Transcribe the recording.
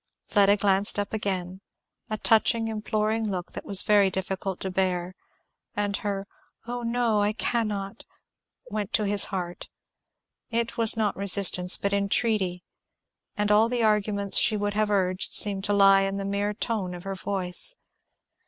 Fleda glanced up again, a touching imploring look it was very difficult to bear, and her "Oh no I cannot," went to his heart. It was not resistance but entreaty, and all the arguments she would have urged seemed to lie in the mere tone of her voice.